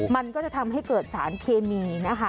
มันก็จะทำให้เกิดสารเคมีนะคะ